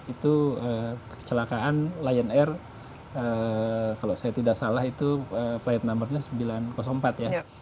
itu kecelakaan lion air kalau saya tidak salah itu flight numbernya sembilan ratus empat ya